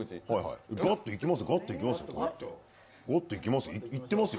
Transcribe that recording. ガッといきますよ。